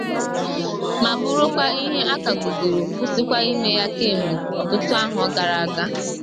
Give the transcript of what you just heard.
ma bụrụkwa ihe a kàgbugoro kwụsịkwa ime ya kemgbe ọtụtụ ahọ gara aga